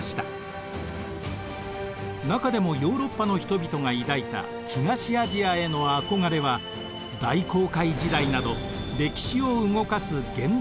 中でもヨーロッパの人々が抱いた東アジアへの憧れは大航海時代など歴史を動かす原動力となっていくのです。